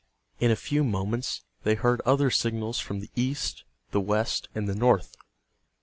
In a few moments they heard other signals from the east, the west and the north.